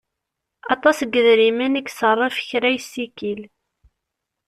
Aṭas n yedrimen i iṣerref kra yessikil.